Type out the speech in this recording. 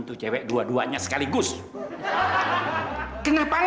dua bulan sewa kamar